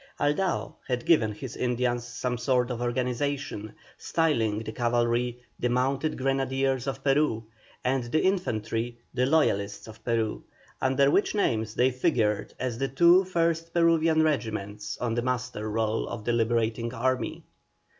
Aldao had given his Indians some sort of organization, styling the cavalry "The Mounted Grenadiers of Peru," and the infantry, "The Loyalists of Peru," under which names they figured as the two first Peruvian regiments on the muster roll of the liberating army.